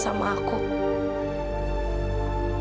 kita bisa tetap berubah